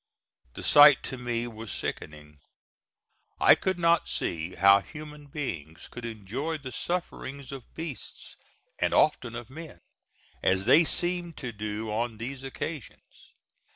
The sight to me was sickening. I could not see how human beings could enjoy the sufferings of beasts, and often of men, as they seemed to do on these occasions.